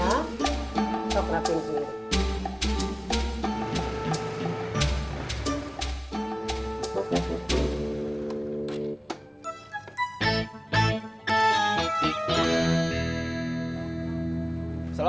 masuk rapih dulu